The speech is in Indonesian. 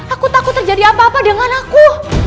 aku takut terjadi apa apa dengan aku